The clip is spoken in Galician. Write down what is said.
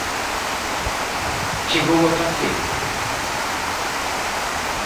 Chegou a facelo?